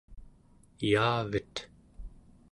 yaavet